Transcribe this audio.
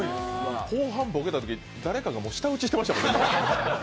後半ボケたとき、誰かが舌打ちしてましたもんね。